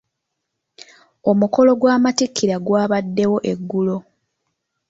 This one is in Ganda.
Omukolo gw'amatikkira gwabaddwo eggulo.